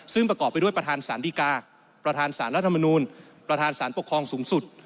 ซึ่งประกอบไปด้วยประธานสารดีกาประธานสารรัฐมนูลประธานสารปกครองสูงสุด